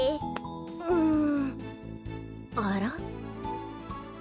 うんあら？